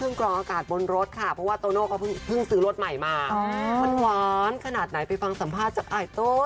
มาเลยนะคะ